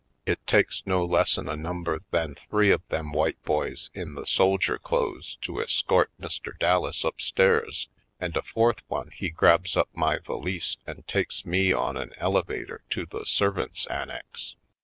It takes no lessen a number than three of them white boys in the soldier clothes to escort Mr. Dallas upstairs and a fourth one he grabs up my valise and takes me on an elevator to the servants' annex.